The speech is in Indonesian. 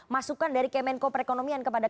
masukan dari kemenko perekonomian kepada